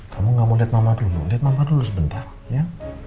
kamu gak mau lihat mama dulu lihat mama dulu sebentar ya